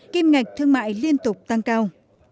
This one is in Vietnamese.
kim ngạch thương mại liên tục tăng cao